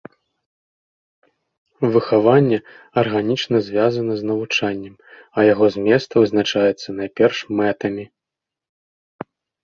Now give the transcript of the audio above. Выхаванне арганічна звязана з навучаннем, а яго змест вызначаецца найперш мэтамі.